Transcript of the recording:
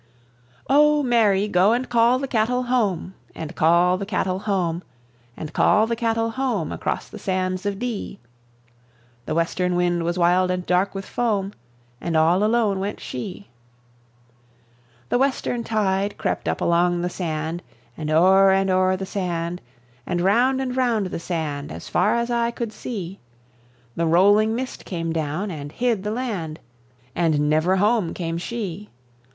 "O Mary, go and call the cattle home, And call the cattle home, And call the cattle home, Across the sands of Dee." The western wind was wild and dark with foam And all alone went she. The western tide crept up along the sand, And o'er and o'er the sand, And round and round the sand, As far as eye could see. The rolling mist came down and hid the land; And never home came she.